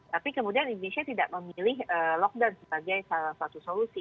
tapi kemudian indonesia tidak memilih lockdown sebagai salah satu solusi